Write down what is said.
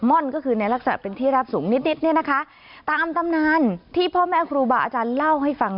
่อนก็คือในลักษณะเป็นที่รับสูงนิดนิดเนี่ยนะคะตามตำนานที่พ่อแม่ครูบาอาจารย์เล่าให้ฟัง